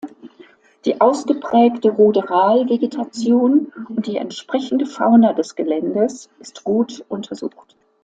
Die ausgeprägte Ruderalvegetation und die entsprechende Fauna des Geländes ist gut untersucht.